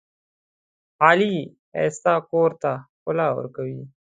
غالۍ ښایسته کور ته ښکلا ورکوي.